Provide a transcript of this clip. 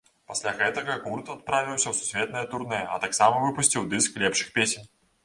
Пасля гэтага гурт адправіўся ў сусветнае турнэ, а таксама выпусціў дыск лепшых песень.